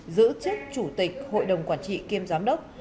giữ chức chủ tịch hội đồng quản trị kiêm giám đốc